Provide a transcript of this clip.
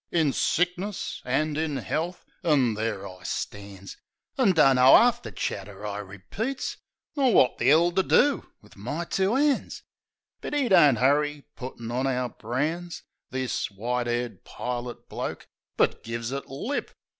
"In — sick ness — an' — in — 'ealth," ,,. An' there I stands, An' dunno 'arf the chatter I repeats, Nor wot the 'ell to do wiv my two 'ands. But 'e don't 'urry puttin' on our brands — This white 'aired pilot bloke — ^but gives it lip.